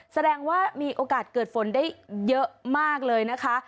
แสดงว่ามีโอกาสเกิดฝนได้เยอะมากเลยนะคะ